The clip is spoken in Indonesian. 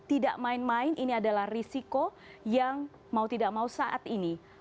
tidak main main ini adalah risiko yang mau tidak mau saat ini